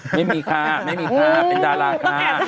ไม่มีค่ะไม่มีค่ะเป็นดาราค่ะ